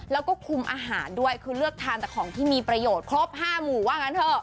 แล้วก็คุมอาหารด้วยคือเลือกทานแต่ของที่มีประโยชน์ครบ๕หมู่ว่างั้นเถอะ